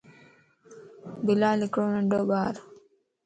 بلال ھڪڙو ننڍو ٻار